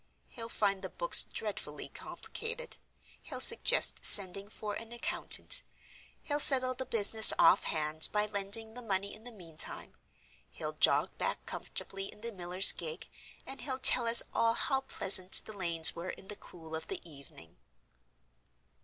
He'll find the books dreadfully complicated; he'll suggest sending for an accountant; he'll settle the business off hand, by lending the money in the meantime; he'll jog back comfortably in the miller's gig; and he'll tell us all how pleasant the lanes were in the cool of the evening."